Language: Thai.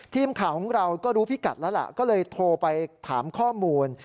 ทีมข่าวของเราก็รู้พิกัดแล้วล่ะก็เลยโทรไปถามข้อมูล